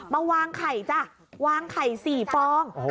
มาวางไข่จ้ะวางไข่๔ฟอง